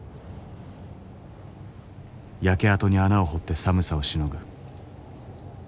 焼け跡に穴を掘って寒さをしのぐ。